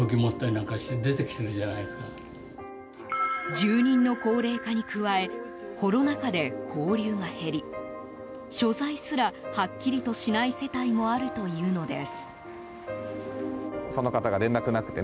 住人の高齢化に加えコロナ禍で交流が減り所在すらはっきりとしない世帯もあるというのです。